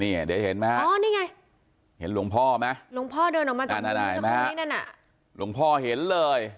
เดี๋ยวเห็นไหมฮะอ๋อนี่ไงเห็นหลวงพ่อไหมหลวงพ่อเดินออกมาจากหลวงพ่อเห็นเลย